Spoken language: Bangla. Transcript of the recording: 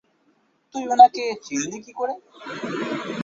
তুই ওনাকে চিনলি কি কোরে?